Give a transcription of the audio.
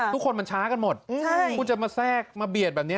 ทุกคนมันช้ากันหมดคุณจะมาแทรกมาเบียดแบบนี้